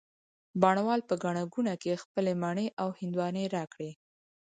بڼ وال په ګڼه ګوڼه کي خپلې مڼې او هندواڼې را کړې